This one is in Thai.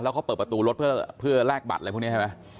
เขาเปิดประตูรถเพื่อแลกบัตรอะไรพวกนี้ใช่ไหม